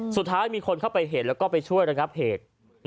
สุดท้ายมีคนเข้าไปเห็นแล้วก็ไปช่วยระงับเหตุ